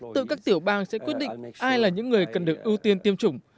tự các tiểu bang sẽ quyết định ai là những người cần được ưu tiên tiêm chủng